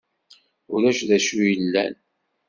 Ulac d acu yellan?